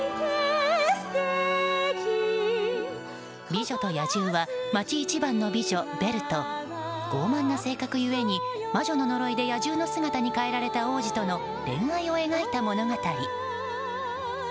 「美女と野獣」は町一番の美女ベルと傲慢な性格ゆえに魔女の呪いで野獣の姿に変えられた王子との恋愛を描いた物語。